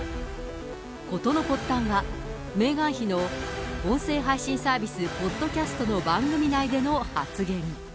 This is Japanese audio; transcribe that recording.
事の発端は、メーガン妃の音声配信サービス、ポッドキャストの番組内での発言。